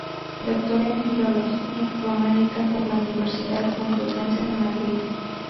Doctor en filología románica por la Universidad Complutense de Madrid.